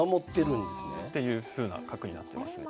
っていうふうな角になってますね。